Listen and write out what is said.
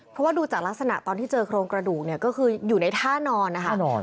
เพราะว่าดูจากลักษณะตอนที่เจอโครงกระดูกเนี่ยก็คืออยู่ในท่านอนนะคะ